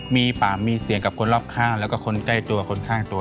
มีปากมีเสียงกับคนรอบข้างแล้วก็คนใกล้ตัวคนข้างตัว